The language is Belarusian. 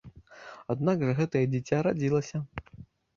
Аднак жа гэтае дзіця радзілася.